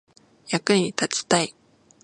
役に立ちたい